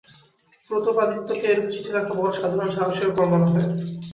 প্রতাপাদিত্যকে এরূপ চিঠি লেখা বড়ো সাধারণ সাহসের কর্ম নহে।